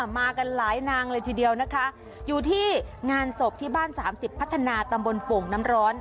มากันหลายนางเลยทีเดียวนะคะอยู่ที่งานศพที่บ้านสามสิบพัฒนาตำบลโป่งน้ำร้อน